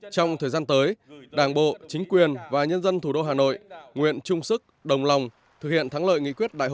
trong thời gian tới đảng bộ chính quyền và nhân dân thủ đô hà nội nguyện chung sức đồng lòng